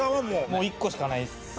もう１個しかないです。